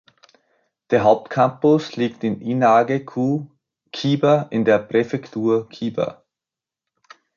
Der Hauptcampus liegt in Inage-ku, Chiba in der Präfektur Chiba.